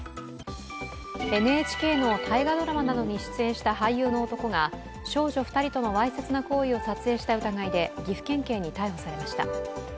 ＮＨＫの大河ドラマなどに出演した俳優の男が少女２人とのわいせつな行為を撮影した疑いで岐阜県警に逮捕されました。